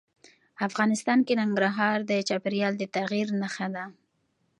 افغانستان کې ننګرهار د چاپېریال د تغیر نښه ده.